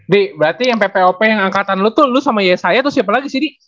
d berarti yang ppop yang angkatan lu tuh lu sama ysy atau siapa lagi sih d